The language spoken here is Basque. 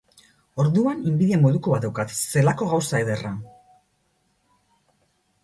Orduan inbidia moduko bat daukat, zelako gauza ederra!